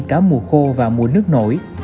cả mùa khô và mùa nước nổi